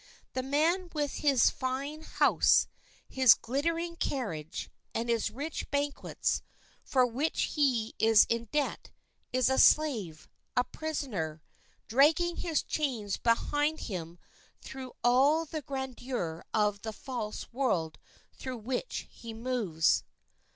The man with his fine house, his glittering carriage, and his rich banquets, for which he is in debt, is a slave, a prisoner, dragging his chains behind him through all the grandeur of the false world through which he moves.